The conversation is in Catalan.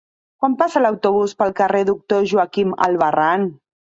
Quan passa l'autobús pel carrer Doctor Joaquín Albarrán?